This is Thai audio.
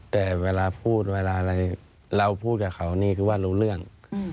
แต่เวลาพูดเวลาอะไรเราพูดกับเขานี่คือว่ารู้เรื่อง